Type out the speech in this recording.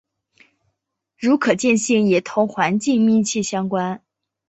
如可见性也同环境密切相关。